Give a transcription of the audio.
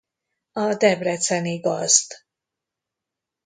A debreczeni gazd.